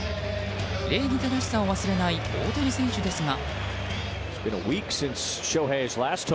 礼儀正しさを忘れない大谷選手ですが。